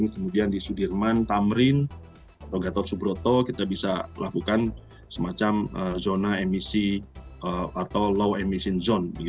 kemudian di sudirman tamrin atau gatot subroto kita bisa lakukan semacam zona emisi atau low emission zone